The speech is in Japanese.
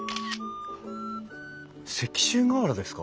石州瓦ですか？